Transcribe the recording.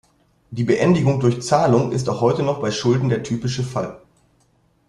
Die Beendigung durch Zahlung ist auch heute noch bei Schulden der typische Fall.